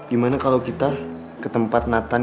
gimana kalo kita ketempat natan